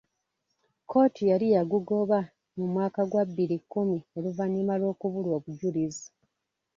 Kkooti yali yagugoba mu mwaka gwa bbiri kkumi oluvannyuma lw'okubulwa obujulizi.